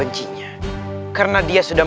itu ini ran majah